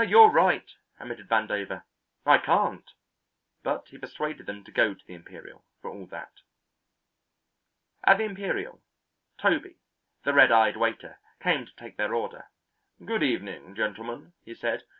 "You're right," admitted Vandover, "I can't," but he persuaded them to go to the Imperial for all that. At the Imperial, Toby, the red eyed waiter, came to take their order. "Good evening, gentlemen," he said.